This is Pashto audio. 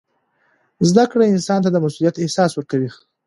زده کړه انسان ته د مسؤلیت احساس ورکوي.